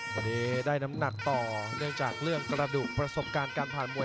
วันนี้ได้น้ำหนักต่อเรื่องจากกระดุปรสมการการผ่านมวย